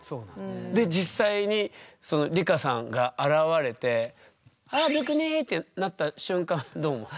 で実際に梨花さんが現われて「あドゥクニ！」ってなった瞬間どう思った？